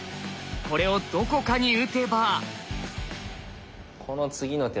これをどこかに打てば。